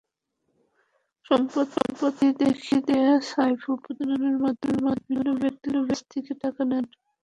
সম্পত্তি দেখিয়ে সাইফুল প্রতারণার মাধ্যমে বিভিন্ন ব্যক্তির কাছ থেকে টাকা নেন।